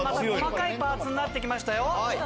細かいパーツになって来ましたよ。